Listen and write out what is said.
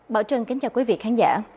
bảo trân kính chào quý vị khán giả